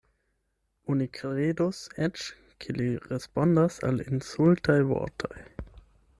Oni kredus eĉ, ke li respondas al insultaj vortoj.